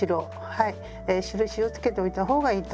はい印をつけておいた方がいいと思います。